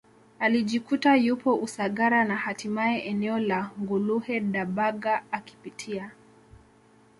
alijikuta yupo Usagara na hatimaye eneo la Nguluhe Dabaga akipitia